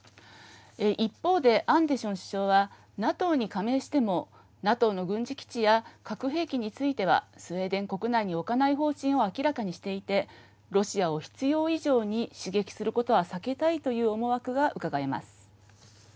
一方で、アンデション首相はＮＡＴＯに加盟してもＮＡＴＯの軍事基地や核兵器についてはスウェーデン国内に置かない方針を明らかにしていてロシアを必要以上に刺激することは避けたいという思惑が、うかがえます。